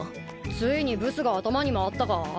ついにブスが頭に回ったか？